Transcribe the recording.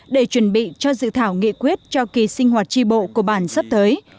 để chuẩn bị cho dự thảo nghị quyết cho kỳ sinh hoạt tri bộ của bản sắp tới